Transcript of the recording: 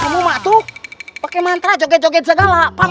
kita harus memanfaatkan mantra menentukan dalam pohon